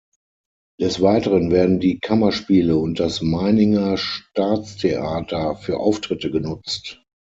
Des Weiteren werden die Kammerspiele und das Meininger Staatstheater für Auftritte genutzt.